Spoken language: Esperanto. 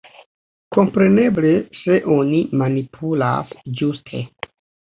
Kompreneble, se oni manipulas ĝuste.